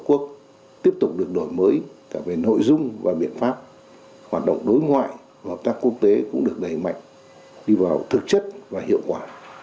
trung quốc tiếp tục được đổi mới cả về nội dung và biện pháp hoạt động đối ngoại và hợp tác quốc tế cũng được đẩy mạnh đi vào thực chất và hiệu quả